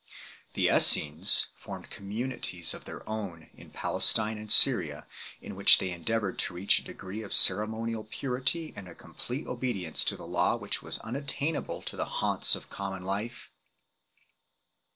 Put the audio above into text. The Essenes 1 formed communities of their own in Palestine and Syria, in which they endeavoured to reach a degree of ceremonial purity and a complete obedience to the Law which was unattainable in the haunts of common life.